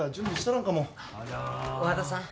和田さん。